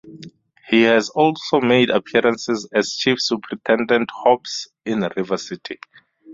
He has also made appearances as Chief Superintendent Hobbs in River City.